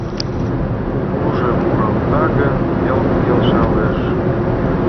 Кукужо муралта гын вел келшалеш.